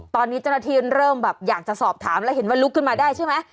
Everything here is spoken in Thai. ตอนนี้เจ้าหน้าที่เริ่มแบบอยากจะสอบถามแล้วเห็นว่าลุกขึ้นมาได้ใช่ไหม